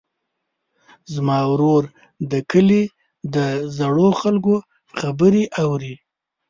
زما ورور د کلي د زړو خلکو خبرې اوري.